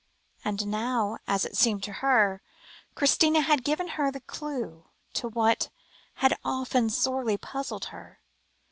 And now, as it seemed to her, Christina had given her the clue, to what had often sorely puzzled her.